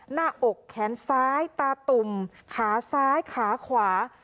หน้าอกแขนซ้ายตาตุ่มขาซ้ายขาขวา